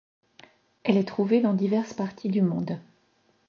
Elle est trouvée dans diverses parties du monde.